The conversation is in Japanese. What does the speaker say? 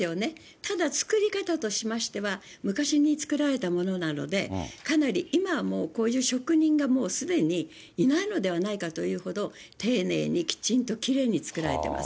ただ作り方としましては、昔に作られたものなので、かなり、今はもうこういう職人が、もうすでにいないのではないかというほど、丁寧にきちんときれいに作られてます。